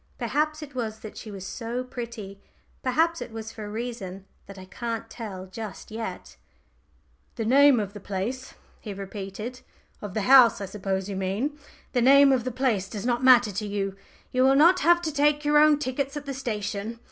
Perhaps it was that she was so pretty perhaps it was for a reason that I can't tell just yet. "The name of the place," he repeated "of the house, I suppose you mean? The name of the place does not matter to you. You will not have to take your own tickets at the station.